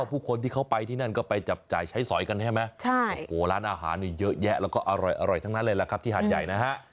มีคนที่เข้าไปที่นั่นไปจับจ่ายใช้สอยกันใช่ไหมล้านอาหารเยอะแยะอร่อยทั้งนั้นเลยครับที่หาดใหญ่